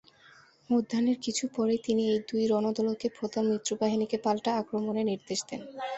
মধ্যাহ্নের কিছু পরেই তিনি এই দুই রণদলকে প্রধান মিত্রবাহিনীকে পাল্টা আক্রমণের নির্দেশ দেন।